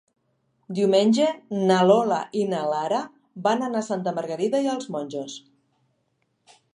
Diumenge na Lola i na Lara van a Santa Margarida i els Monjos.